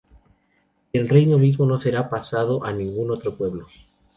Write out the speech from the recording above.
Y el reino mismo no será pasado a ningún otro pueblo.